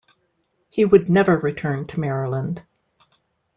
He would never return to Maryland.